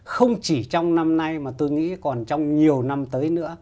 không chỉ trong năm nay mà tôi nghĩ còn trong nhiều năm tới nữa